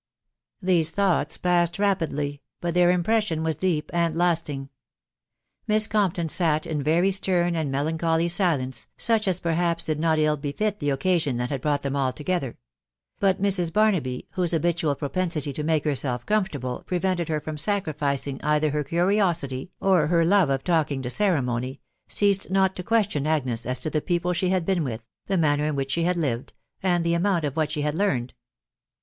Theme thought* passed rapidly, but ithsa ATO$fcmta* 00 THIS WIDOW BARNABY. deep and lasting. Miss Compton sat in very stern and me* lancholy silence, such as perhaps did not ill befit the occasion that had brought them all together ; but Mrs. Barnaby, whose habitual propensity to make herself comfortable, prevented her from sacrificing either her curiosity or her love of talking to ceremony, ceased not to question Agnes as to the people she had been with, the manner in which she had lived, and the amount of what she had learned.